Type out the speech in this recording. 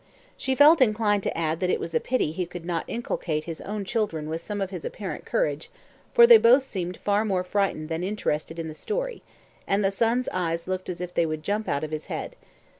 She felt inclined to add that it was a pity he could not inculcate his own children with some of his apparent courage, for they both seemed far more frightened than interested in the story, and the son's eyes looked as if they would jump out of his head.